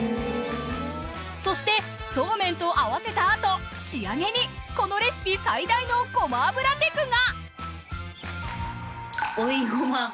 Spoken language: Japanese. そしてそうめんと合わせたあと仕上げにこのレシピ最大のごま油テクが！